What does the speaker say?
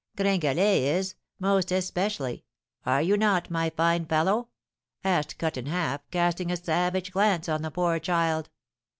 'Gringalet is, most especially; are you not, my fine fellow?' asked Cut in Half, casting a savage glance on the poor child.